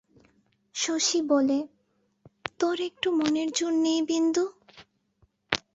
শশী বলে, তোর একটু মনের জোর নেই বিন্দু?